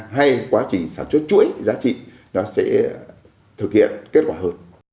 hay quá trình sản xuất chuỗi giá trị nó sẽ thực hiện kết quả hơn